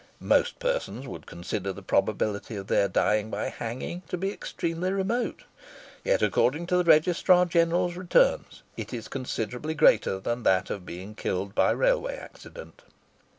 Most persons would consider the probability of their dying by hanging to be extremely remote; yet, according to the Registrar General's returns, it is considerably greater than that of being killed by railway accident.